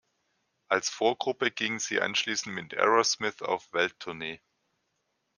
Als Vorgruppe gingen sie anschließend mit Aerosmith auf Welttournee.